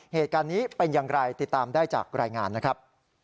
เหตุการณ์นี้เป็นอย่างไรติดตามได้จากรายงานนะครับ